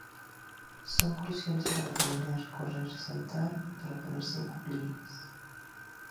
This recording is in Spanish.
Son cruciales para caminar, correr, saltar y ponerse en cuclillas.